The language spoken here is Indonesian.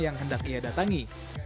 yang hendak ia datangi